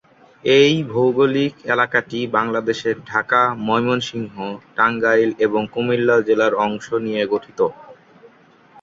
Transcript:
এই ভৌগোলিক এলাকাটি বাংলাদেশের ঢাকা, ময়মনসিংহ, টাঙ্গাইল এবং কুমিল্লা জেলার অংশ নিয়ে গঠিত।